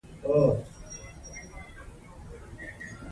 ایا نجونې پوهېږي چې علم شریکول د باور اړیکې ټینګوي؟